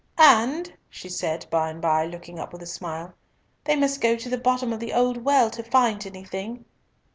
"And," she said by and by, looking up with a smile, "they must go to the bottom of the old well to find anything."